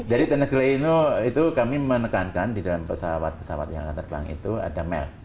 jadi teknik delay itu kami menekankan di dalam pesawat pesawat yang akan terbang itu ada mel